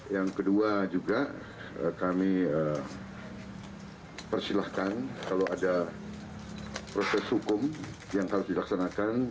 yang kedua juga kami persilahkan kalau ada proses hukum yang harus dilaksanakan